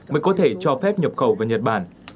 mới có thể cho phép nhập khẩu vào nhật bản